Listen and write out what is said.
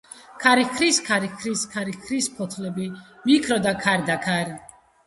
ქარი ჰქრის, ქარი ჰქრის ,ქარი ჰქრის ფოტლები მიქროდა ქარდაქარ.